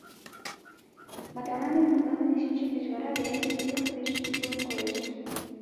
Матрана дене мутланен шинчыме деч вара Ведаси тудын деч тупуйын коеш.